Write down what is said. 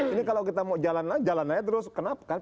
ini kalau kita mau jalan jalan aja terus kenapa